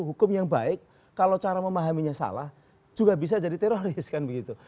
hukum yang baik kalau cara memahaminya salah juga bisa jadi teroris kan begitu